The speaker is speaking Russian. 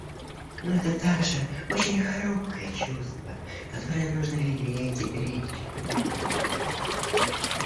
Но это также очень хрупкое чувство, которое нужно лелеять и беречь.